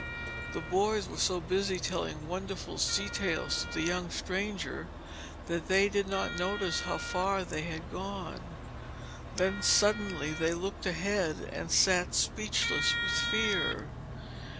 The boys were so busy telling wonderful sea tales to the young stranger that they did not notice how far they had gone. Then suddenly they looked ahead and sat speechless with fear.